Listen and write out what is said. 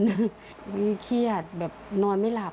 เมื่อกี้เครียดแบบนอนไม่หลับ